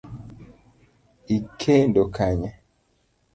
Ikendo Kanye?